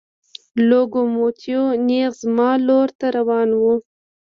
لوکوموتیو نېغ زما لور ته را روان و.